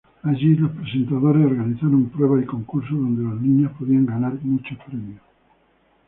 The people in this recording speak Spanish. Allí los presentadores organizaron pruebas y concursos donde los niños podían ganar muchos premios.